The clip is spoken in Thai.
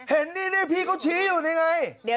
เห็นนี่พี่เขาชี้อยู่นี่ไง